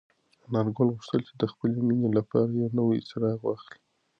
انارګل غوښتل چې د خپلې مېنې لپاره یو نوی څراغ واخلي.